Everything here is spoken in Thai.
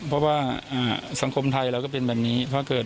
เพราะว่าสังคมไทยแล้วก็เป็นแบบนี้